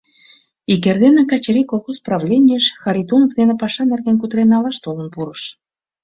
Ик эрдене Качырий колхоз правленийыш Харитонов дене паша нерген кутырен налаш толын пурыш.